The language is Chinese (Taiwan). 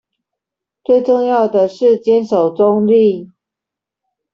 最重要的是堅守中立